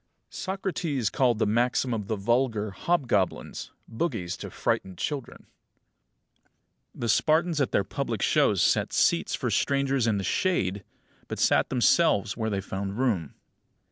23. Socrates called the maxims of the vulgar hobgoblins, bogies to frighten children. 24. The Spartans at their public shows set seats for strangers in the shade, but sat themselves where they found room.